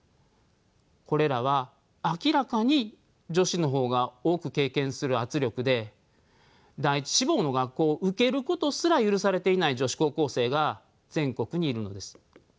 これらは明らかに女子の方が多く経験する圧力で第１志望の学校を受けることすら許されていない女子高校生が全国にいるのです。